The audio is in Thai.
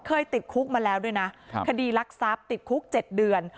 เคยติดคุกมาแล้วด้วยนะคดีรักทรัพย์ติดคุก๗เดือน